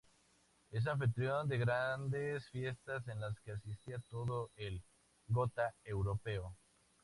Es anfitrión de grandes fiestas a las que asistía todo el Gotha europeo.